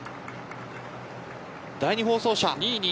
第２放送車。